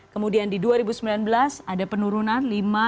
kemudian di dua ribu sembilan belas ada penurunan